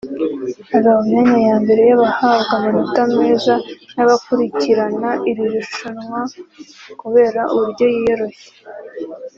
aza mu myanya ya mbere y’abahabwa amanota meza n’abakurikirana iri rushanwa kubera uburyo yiyoroshya